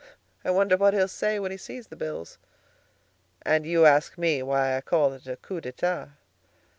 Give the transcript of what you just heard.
I wonder what he'll say when he sees the bills." "And you ask me why I call it a _coup d'état?